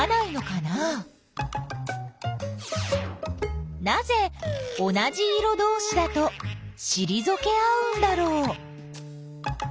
なぜ同じ色どうしだとしりぞけ合うんだろう？